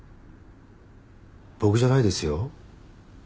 僕じゃないですよ。